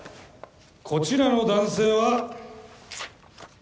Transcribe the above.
こちらの男性は黒タグ。